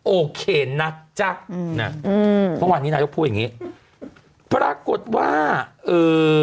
โอเคนะจ๊ะอืมน่ะอืมเมื่อวานนี้นายกพูดอย่างงี้ปรากฏว่าเอ่อ